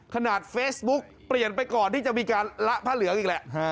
เฟซบุ๊กเปลี่ยนไปก่อนที่จะมีการละผ้าเหลืองอีกแหละ